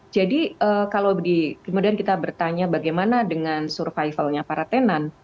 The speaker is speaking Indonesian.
jadi kalau kemudian kita bertanya bagaimana dengan survivalnya para tenan